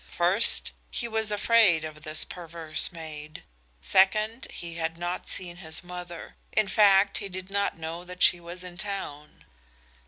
First, he was afraid of this perverse maid; second, he had not seen his mother. In fact, he did not know that she was in town.